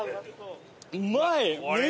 うまい！